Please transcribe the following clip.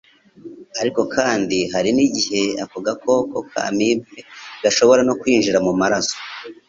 Ariko kandi hari n'igihe ako gakoko k'amibe gashobora no kwinjira mu maraso